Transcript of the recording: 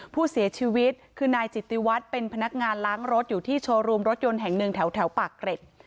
ผู้เสียชีวิตคือนายจิตติวัตรเป็นพนักงานล้างรถอยู่ที่โชว์รูมรถยนต์แห่งหนึ่งแถวปากเกร็ด